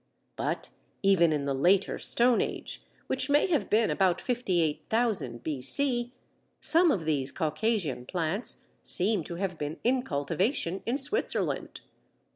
But even in the later Stone Age, which may have been about 58,000 B.C., some of these Caucasian plants seem to have been in cultivation in Switzerland.